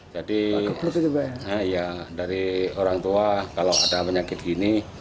ya dari orang tua kalau ada penyakit gini